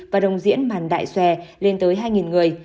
và đồng diễn màn đại xòe lên tới hai người